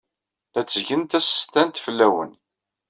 La ttgen tasestant fell-awen.